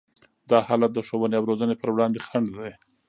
دا حالت د ښوونې او روزنې پر وړاندې خنډ دی.